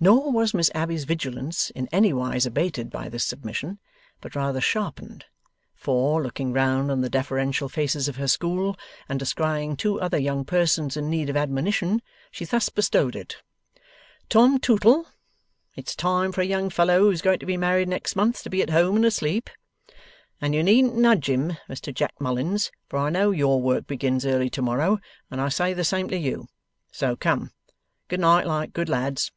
Nor, was Miss Abbey's vigilance in anywise abated by this submission, but rather sharpened; for, looking round on the deferential faces of her school, and descrying two other young persons in need of admonition, she thus bestowed it: 'Tom Tootle, it's time for a young fellow who's going to be married next month, to be at home and asleep. And you needn't nudge him, Mr Jack Mullins, for I know your work begins early tomorrow, and I say the same to you. So come! Good night, like good lads!